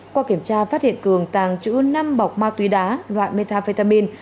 qua kiểm tra phát hiện cường tàng trữ năm bọc ma túy đá loại metafetamin